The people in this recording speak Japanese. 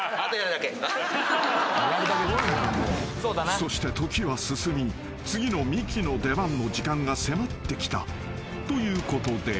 ［そして時は進み次のミキの出番の時間が迫ってきたということで］